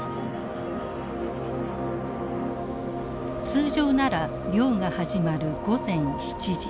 通常なら漁が始まる午前７時。